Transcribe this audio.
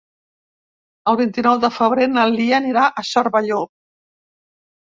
El vint-i-nou de febrer na Lia anirà a Cervelló.